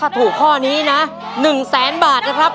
ถ้าถูกข้อนี้นะ๑แสนบาทนะครับ